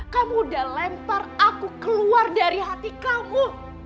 kamu udah lempar aku keluar dari hati kamu